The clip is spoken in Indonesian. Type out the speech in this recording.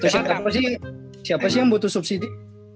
siapa sih siapa sih yang butuh subsidi